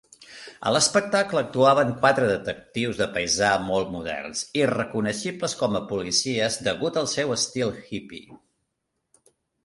A l'espectacle actuaven quatre detectius de paisà molt moderns: irreconeixibles com a policies degut al seu estil hippy.